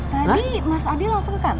tadi mas adi langsung ke kan